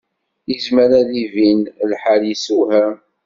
Yezmer ad d-ibin lḥal yessewham.